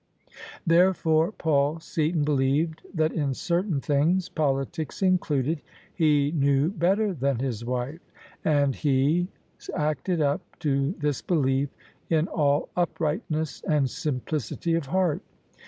Therefore Paul Seaton believed that In certain things — politics included — ^he knew better than his wife: smd he OF ISABEL CARNABY acted up to this belief in all uprightness and simplicity of heart.